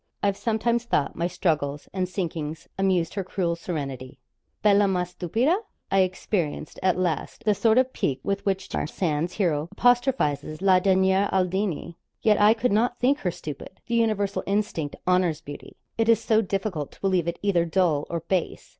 I've sometimes thought my struggles and sinkings amused her cruel serenity. Bella ma stupida! I experienced, at last, the sort of pique with which George Sand's hero apostrophises la derniere Aldini. Yet I could not think her stupid. The universal instinct honours beauty. It is so difficult to believe it either dull or base.